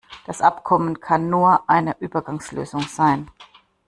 Das Abkommen kann nur eine Übergangslösung sein.